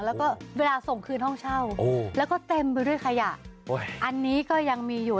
แล้วก็เวลาส่งคืนห้องเช่าแล้วก็เต็มไปด้วยขยะอันนี้ก็ยังมีอยู่